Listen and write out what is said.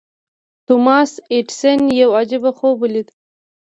توماس ايډېسن يو عجيب خوب وليد.